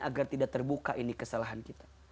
agar tidak terbuka ini kesalahan kita